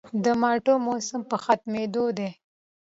د مالټو موسم په ختمېدو دی